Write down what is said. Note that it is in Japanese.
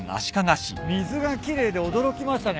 水が奇麗で驚きましたね。